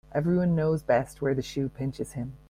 Every one knows best where the shoe pinches him.